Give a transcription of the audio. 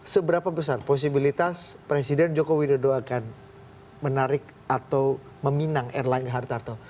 seberapa besar posibilitas presiden joko widodo akan menarik atau meminang erlangga hartarto